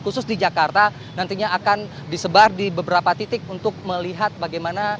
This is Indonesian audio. khusus di jakarta nantinya akan disebar di beberapa titik untuk melihat bagaimana